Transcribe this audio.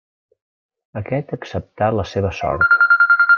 Aquest acceptà la seva sort.